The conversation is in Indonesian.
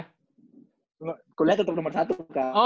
kuliah tetap nomor satu